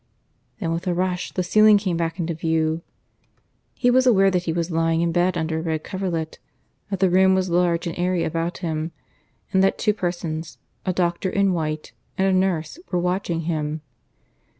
... Then with a rush the ceiling came back into view: he was aware that he was lying in bed under a red coverlet; that the room was large and airy about him; and that two persons, a doctor in white and a nurse, were watching him.